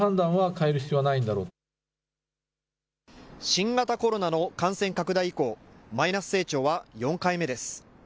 新型コロナの感染拡大以降、マイナス成長は４回目です。